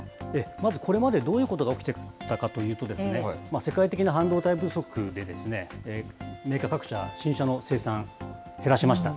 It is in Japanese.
まずこれまでどういうことが起きてきたかというとですね、世界的な半導体不足で、メーカー各社、新車の生産、減らしました。